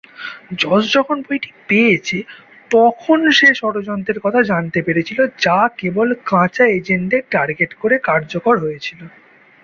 যশ যখন বইটি পেয়েছে, তখন সে ষড়যন্ত্রের কথা জানতে পেরেছিল যা কেবল কাঁচা এজেন্টদের টার্গেট করে কার্যকর হয়েছিল।